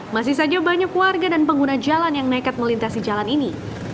masih saja banyak warga dan pengguna jalan yang nekat melintasi jalan ini